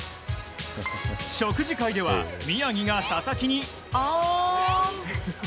食事会では宮城が佐々木にあーん。